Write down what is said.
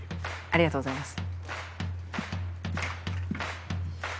ありがとうございます。